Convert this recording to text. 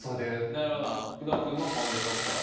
なるほど工藤君もポン・デ・黒糖。